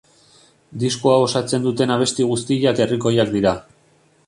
Disko hau osatzen duten abesti guztiak herrikoiak dira.